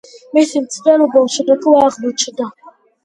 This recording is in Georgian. მისი მცდელობა უშედეგო აღმოჩნდა.